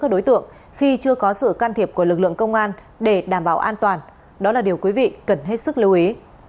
các đối tượng khi chưa có sự can thiệp của lực lượng công an để đảm bảo an toàn đó là điều quý vị cần hết sức lưu ý